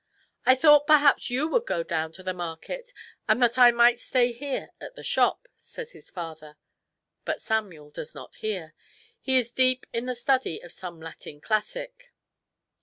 " I thought perhaps you would go down to the market, and that I might stay here at the shop," says his father. But Samuel does not hear. He is deep in the study of some Latin classic.